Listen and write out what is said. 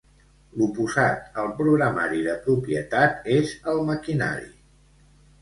L'oposat al programari de propietat és el maquinari.